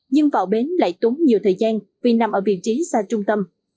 nhưng vào bến lại tốn nhiều thời gian vì nằm ở vị trí xa trung tâm